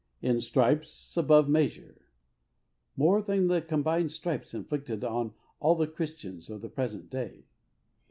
" In stripes above measure — more than the combined stripes inflicted on all the Christians of the present day.